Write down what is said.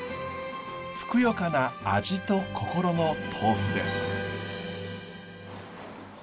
ふくよかな味と心の豆腐です。